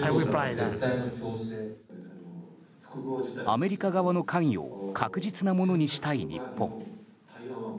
アメリカ側の関与を確実なものにしたい日本。